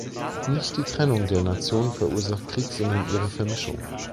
Nicht die Trennung der Nationen verursacht Krieg, sondern ihre Vermischung.